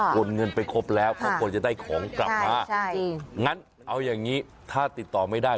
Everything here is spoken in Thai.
โอนเงินไปครบแล้วเขาควรจะได้ของกลับมางั้นเอาอย่างนี้ถ้าติดต่อไม่ได้